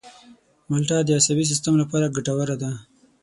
مالټه د عصبي سیستم لپاره ګټوره ده.